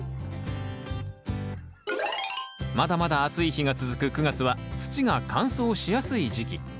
まだまだ暑い日が続く９月は土が乾燥しやすい時期。